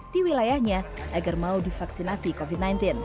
di wilayahnya agar mau divaksinasi covid sembilan belas